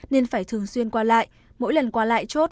nên phải thường xuyên qua lại mỗi lần qua lại chốt